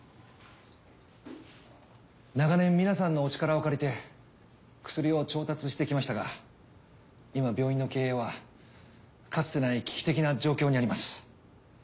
長年皆さんのお力を借りて薬を調達してきましたが今病院の経営はかつてない危機的な状況にあります。